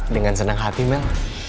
dengan senang hati mel